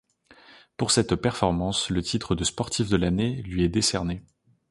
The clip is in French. Pour cette performance, le titre de Sportif de l'année lui est décerné.